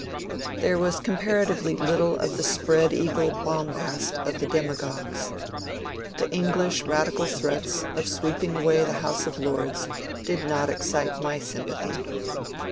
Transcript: There was comparatively little of the spread eagle bombast of the dem agogues. The English radical threats of sweeping away the House of Lords did not excite my sympathy.